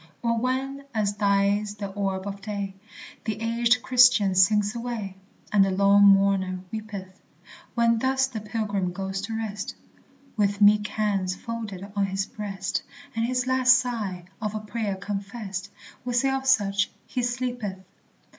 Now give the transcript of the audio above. Or when, as dies the orb of day, The aged Christian sinks away, And the lone mourner weepeth; When thus the pilgrim goes to rest, With meek hands folded on his breast, And his last sigh a prayer confessed We say of such, "He sleepeth."